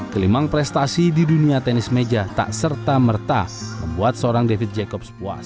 kelimang prestasi di dunia tenis meja tak serta merta membuat seorang david jacobs puas